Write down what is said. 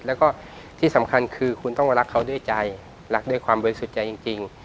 แล้วก็ที่สำคัญคือคุณต้องรักเขาด้วยใจรักด้วยความบริสุทธิ์ใจจริง